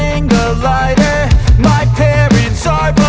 awal udara pimpin muka